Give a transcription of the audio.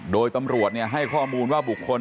โดยตำรวจให้ข้อมูลว่าบุคคล